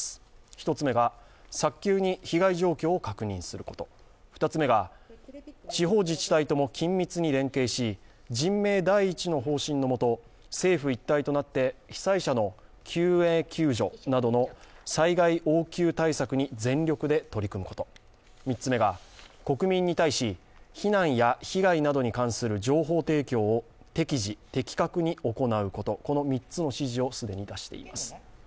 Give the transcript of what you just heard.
１つ目が早急に被害状況を確認すること２つめが、地方自治体とも緊密に連携し人命第一の方針のもと政府一体となって、被災者の救援、救助などの災害応急対策に全力で取り組むこと、３つ目が国民に対し非難や被害などに対する情報提供を適時的確に行うこと、この３つの指示を出しています。